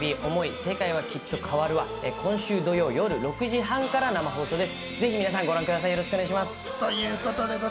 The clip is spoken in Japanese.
世界は、きっと変わる。』は今週土曜日、夜６時半から生放送です。